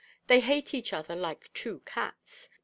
They hate each other like two cats.